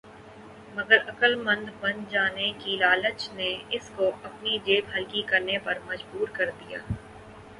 مگر عقل مند بن جانے کی لالچ نے اس کو اپنی جیب ہلکی کرنے پر مجبور کر دیا۔